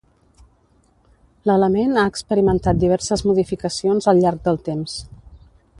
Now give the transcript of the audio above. L'element ha experimentat diverses modificacions al llarg del temps.